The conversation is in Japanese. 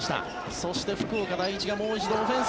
そして福岡第一がもう一度オフェンス。